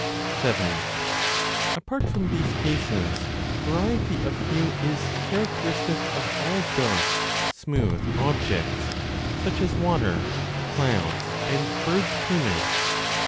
(7) Apart from these cases, variety of hue is character istic of all dark smooth objects, such as water, clouds, and birds plumage.